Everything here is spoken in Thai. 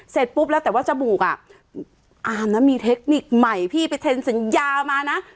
เสร็จปุ๊บแล้วแต่ว่าจมูกอ่ะอามนะมีเทคนิคใหม่พี่ไปเซ็นสัญญามานะ